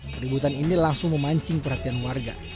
keributan ini langsung memancing perhatian warga